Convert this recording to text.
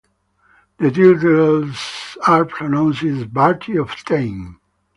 The titles are pronounced "barty of tame".